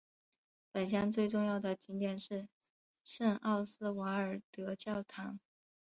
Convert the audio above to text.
本乡最重要的景点是圣奥斯瓦尔德教堂。